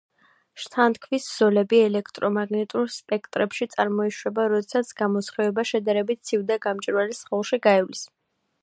შთანთქვის ზოლები ელექტრომაგნიტურ სპექტრებში წარმოიშვება როდესაც გამოსხივება შედარებით ცივ და გამჭვირვალე სხეულში გაივლის.